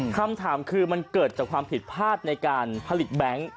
คำถามคือมันเกิดจากความผิดพลาดในการผลิตแบงค์